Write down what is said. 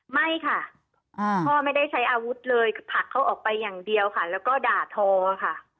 ไม่ค่ะพ่อไม่ได้ใช้อาวุธเลยคือผลักเขาออกไปอย่างเดียวค่ะแล้วก็ด่าทอค่ะ